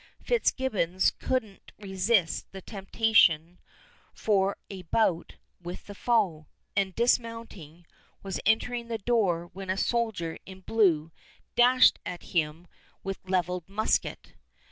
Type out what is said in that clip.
Fitzgibbons could n't resist the temptation for a bout with the foe, and dismounting, was entering the door when a soldier in blue dashed at him with leveled musket.